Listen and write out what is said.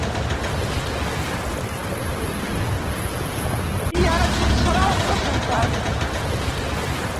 I ara quin serà el resultat?